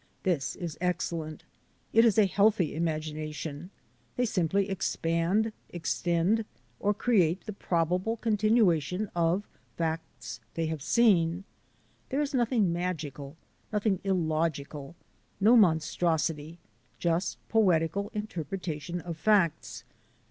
This is excellent. It is a healthy imagination; they simply expand, extend, or create the probable continuation of facts they have seen. There is nothing magical, nothing illogical, no monstros ity — just poetical interpretation of facts.